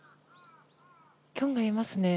キョンがいますね。